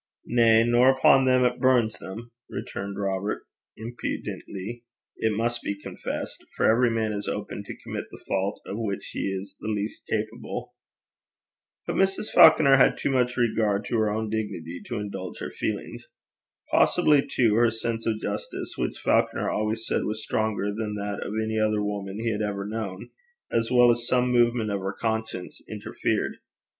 'Na; nor upo' them 'at burns them,' retorted Robert impudently it must be confessed; for every man is open to commit the fault of which he is least capable. But Mrs. Falconer had too much regard to her own dignity to indulge her feelings. Possibly too her sense of justice, which Falconer always said was stronger than that of any other woman he had ever known, as well as some movement of her conscience interfered.